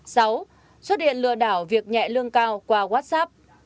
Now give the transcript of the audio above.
sáu xuất hiện lừa đảo việc nhẹ lương cao qua whatsapp